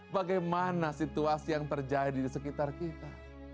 bagaimana situasi yang terjadi di sekitar kita